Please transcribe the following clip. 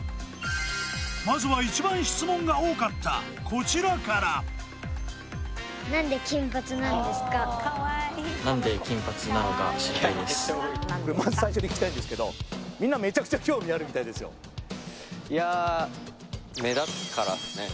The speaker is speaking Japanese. まずは一番質問が多かったこちらからこれまず最初に聞きたいんですけどみたいですよいや目立つからっすね